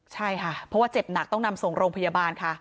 ใช่ค่ะเพราะว่าเจ็บหนักต้องนำส่งโรงพยาบาลค่ะ